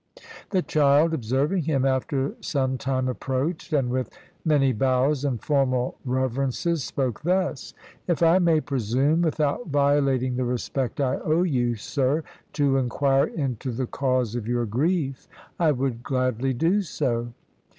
The child, observing him, after some time approached, and with many bows and formal reverences, spoke thus: 'If I may presume, without violating the respect I owe you, sir, to inquire into the cause of your grief, I would gladly do so.